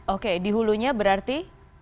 oke diulunya berarti